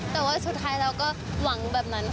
แต่ว่าสุดท้ายแล้วอุหงแบบนั้น